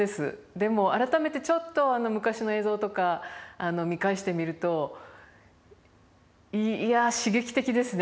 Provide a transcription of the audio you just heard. でも改めてちょっと昔の映像とか見返してみるといや刺激的ですね。